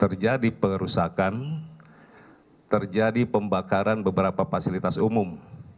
terjadi pengerusakan terjadi pembakaran beberapa fasilitas umum